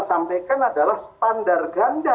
sampaikan adalah standar ganda